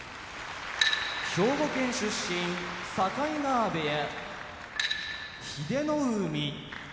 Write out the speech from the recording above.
兵庫県出身境川部屋英乃海